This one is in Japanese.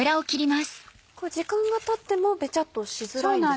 時間がたってもべちゃっとしづらいんですか？